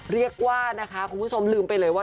เรียกว่านะคะคุณผู้ชมลืมไปเลยว่า